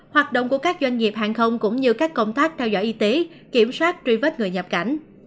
hoạt động của các doanh nghiệp hàng không cũng như các công tác theo dõi y tế kiểm soát truy vết người nhập cảnh